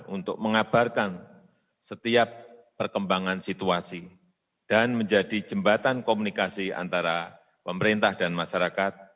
untuk mengabarkan setiap perkembangan situasi dan menjadi jembatan komunikasi antara pemerintah dan masyarakat